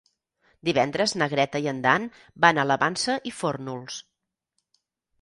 Divendres na Greta i en Dan van a la Vansa i Fórnols.